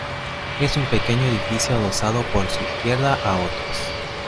Es un pequeño edificio adosado por su izquierda a otros.